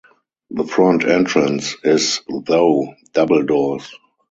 The front entrance is though double doors.